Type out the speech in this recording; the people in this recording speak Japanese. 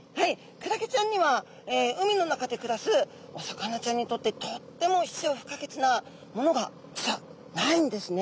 クラゲちゃんには海の中で暮らすお魚ちゃんにとってとっても必要不可欠なものが実はないんですね。